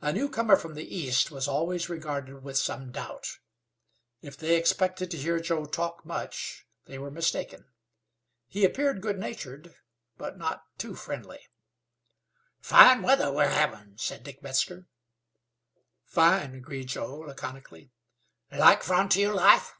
A newcomer from the East was always regarded with some doubt. If they expected to hear Joe talk much they were mistaken. He appeared good natured, but not too friendly. "Fine weather we're havin'," said Dick Metzar. "Fine," agreed Joe, laconically. "Like frontier life?"